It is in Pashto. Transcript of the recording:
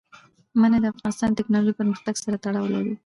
منی د افغانستان د تکنالوژۍ پرمختګ سره تړاو لري.